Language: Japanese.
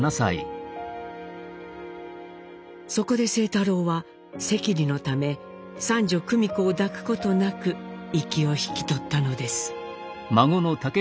そこで清太郎は赤痢のため三女久美子を抱くことなく息を引き取ったのです。